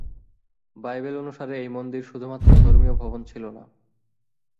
Bible অনুসারে এই মন্দির শুধুমাত্র ধর্মীয় ভবন ছিলো না।